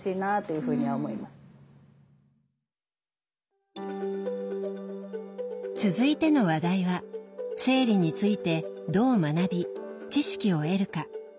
大体続いての話題は生理についてどう学び知識を得るか。